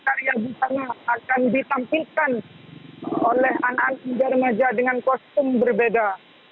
dua puluh karya di sana akan ditampilkan oleh anak anak dan remaja dengan kostum berbeda